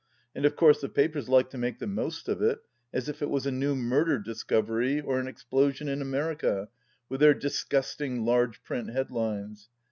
And of course the papers like to make the most of it, as if it was a new murder discovery, or an explosion in America, with their disgusting large print head lines.